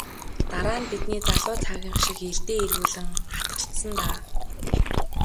Дараа нь бидний залуу цагийнх шиг илдээ эргүүлэн хатгалцсан даа.